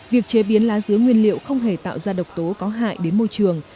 việc chế biến lá dứa nguyên liệu không hề tạo ra độc tố có hại đến môi trường